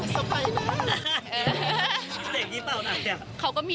ดับเป็นอะไรก่อน